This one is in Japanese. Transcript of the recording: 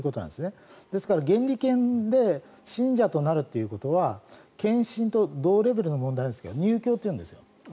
ですから原理研で信者となるということは献身と同レベルのものですが入教と言うんです。